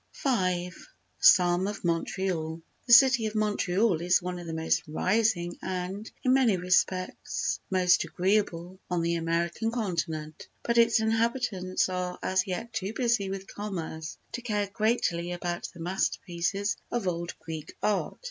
v—A Psalm of Montreal The City of Montreal is one of the most rising and, in many respects, most agreeable on the American continent, but its inhabitants are as yet too busy with commerce to care greatly about the masterpieces of old Greek Art.